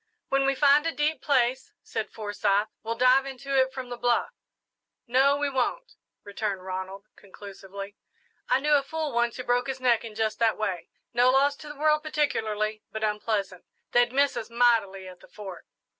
"When we find a deep place," said Forsyth, "we'll dive into it from the bluff." "No we won't," returned Ronald, conclusively. "I knew a fool once who broke his neck in just that way. No loss to the world particularly, but unpleasant. They'd miss us mightily at the Fort."